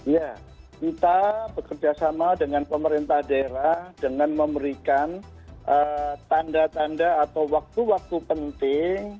ya kita bekerja sama dengan pemerintah daerah dengan memberikan tanda tanda atau waktu waktu penting